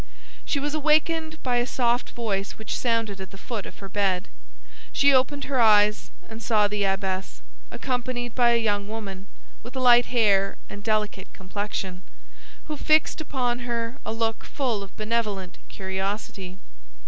She was awakened by a soft voice which sounded at the foot of her bed. She opened her eyes, and saw the abbess, accompanied by a young woman with light hair and delicate complexion, who fixed upon her a look full of benevolent curiosity.